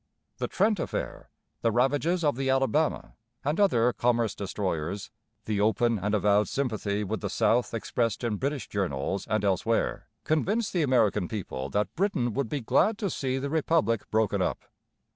The Trent affair, the ravages of the Alabama and other commerce destroyers, the open and avowed sympathy with the South expressed in British journals and elsewhere, convinced the American people that Britain would be glad to see the Republic broken up.